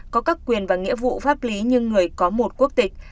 có các quyền và nghĩa vụ pháp lý như người có một quốc tịch